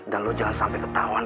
dan lo jangan sampe ketahuan